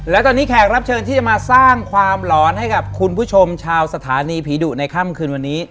และตอนนี้แขกรับเชิญที่จะมาสร้างความหลอนให้กับคุณผู้ชมชาวสถานีผีดุในค่ำคืนวันนี้